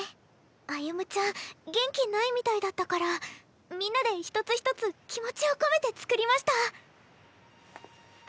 歩夢ちゃん元気ないみたいだったからみんなで一つ一つ気持ちを込めてつくりました。